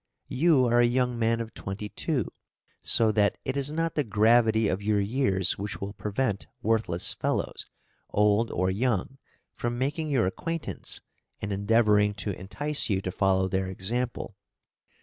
You are a young man of twenty two, so that it is not the gravity of your years which will prevent worthless fellows, old or young, from making your acquaintance and endeavouring to entice you to follow their example.